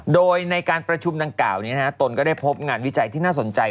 โดยในการประชุมดังกล่าวนี้ตนก็ได้พบงานวิจัยที่น่าสนใจ